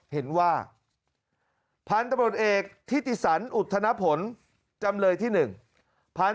เห็นว่าพันธุ์ตำรวจเอกทิติสันอุทธนผลจำเลยที่หนึ่ง